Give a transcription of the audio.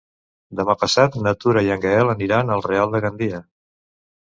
Demà passat na Tura i en Gaël aniran al Real de Gandia.